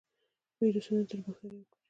ویروسونه تر بکتریاوو کوچني دي